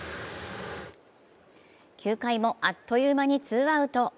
９回もあっという間にツーアウト。